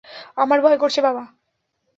আমার ভয় করছে, বাবা।